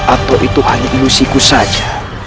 atau itu hanya ilusiku saja